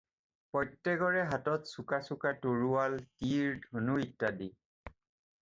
প্ৰত্যেকৰে হাতত চোকা চোকা তৰোৱাল, তীৰ, ধনু ইত্যাদি।